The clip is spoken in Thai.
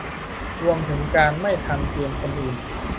รวมถึงการไม่ทันเกมคนอื่น